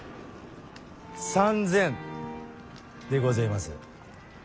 ３，０００でごぜます。